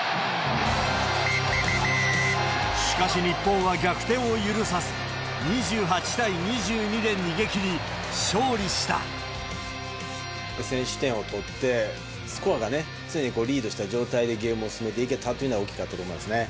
しかし、日本は逆転を許さず、２８対２２で逃げきり、先取点を取って、スコアが常にリードした状態でゲームを進めていけたというのは大きかったと思いますね。